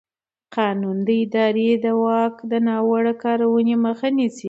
قانون د ادارې د واک د ناوړه کارونې مخه نیسي.